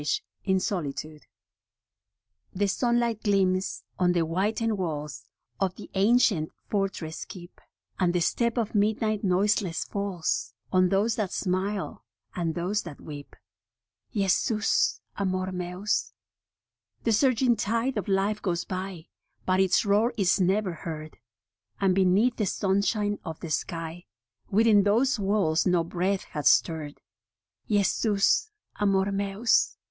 * HE sunlight gleams on the whitened walls Of the ancient fortress keep, And the step of midnight noiseless falls On those that smile and those that weep. Jesus Amor Meus. The surging tide of life goes by, But its roar is never heard ; And beneath the sunshine of the sky Within those walls no breath hath stirred. Jesus Amor Meus.